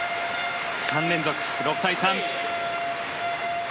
３連続、６対３。